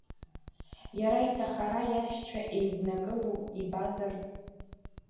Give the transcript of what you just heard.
Иара иҭахара иашьцәа еиднакыло ибазар?